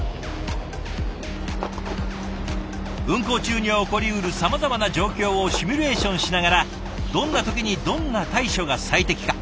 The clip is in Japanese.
運航中に起こりうるさまざまな状況をシミュレーションしながらどんな時にどんな対処が最適か？